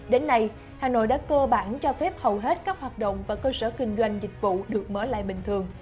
đến nay hà nội đã cơ bản cho phép hầu hết các hoạt động và cơ sở kinh doanh dịch vụ được mở lại bình thường